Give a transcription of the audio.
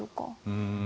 うん。